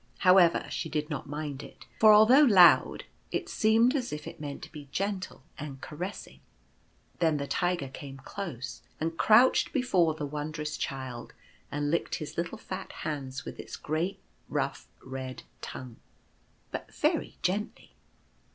However, she did not mind it, for although loud it seemed as if it meant to be gentle and caressing. Then the Tiger came close, and crouched before the Wondrous Child, and licked his little fat hands with its great rough red tongue, but very gently.